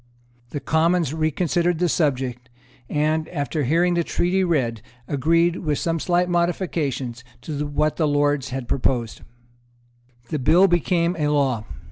The Commons reconsidered the subject, and, after hearing the Treaty read, agreed, with some slight modifications, to what the Lords had proposed. The bill became a law.